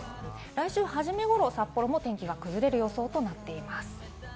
来週初めごろ、札幌も天気が崩れる予想となっています。